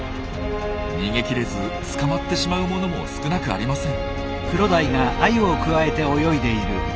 逃げきれず捕まってしまう者も少なくありません。